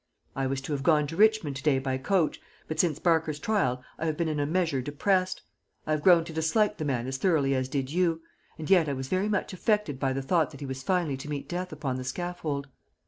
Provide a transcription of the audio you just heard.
I was to have gone to Richmond to day by coach, but since Barker's trial I have been in a measure depressed. I have grown to dislike the man as thoroughly as did you, and yet I was very much affected by the thought that he was finally to meet death upon the scaffold.